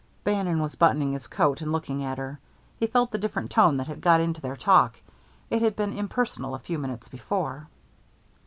Bannon was buttoning his coat, and looking at her. He felt the different tone that had got into their talk. It had been impersonal a few minutes before.